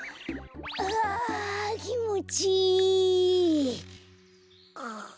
ああきもちいい。